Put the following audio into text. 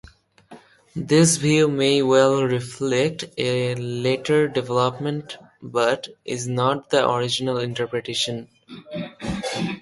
This view may well reflect a later development but is not the original interpretation.